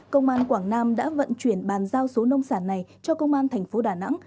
công an quảng nam đã vận chuyển bàn giao số nông sản này cho công an thành phố đà nẵng